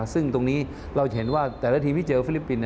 ซึ่งตรงนี้เราจะเห็นว่าแต่ละทีมที่เจอฟิลิปปินส